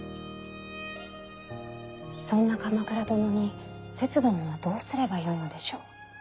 そんな鎌倉殿にせつ殿はどうすればよいのでしょう。